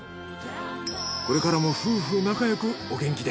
これからも夫婦仲良くお元気で。